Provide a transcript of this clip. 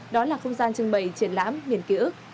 đó là không gian trưng bày triển lãm miền ký ức